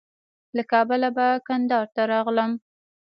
له کابله به کندهار ته راغلم.